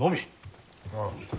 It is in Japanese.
ああ。